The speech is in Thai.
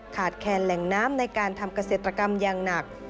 แคนแหล่งน้ำในการทำเกษตรกรรมอย่างหนัก